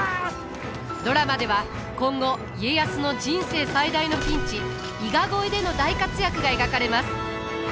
ドラマでは今後家康の人生最大のピンチ伊賀越えでの大活躍が描かれます。